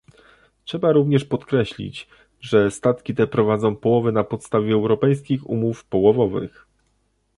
Trzeba również podkreślić, że statki te prowadzą połowy na podstawie europejskich umów połowowych